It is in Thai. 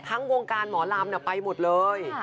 วงการหมอลำไปหมดเลย